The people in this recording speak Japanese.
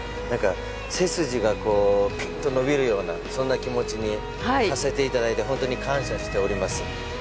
なんか背筋がこうピュッと伸びるようなそんな気持ちにさせていただいてホントに感謝しております。